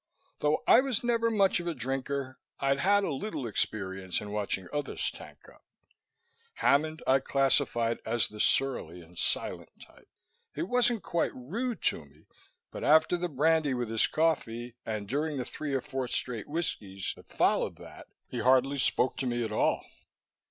Though I was never much of a drinker, I'd had a little experience in watching others tank up; Hammond I classified as the surly and silent type. He wasn't quite rude to me, but after the brandy with his coffee, and during the three or four straight whiskies that followed that, he hardly spoke to me at all.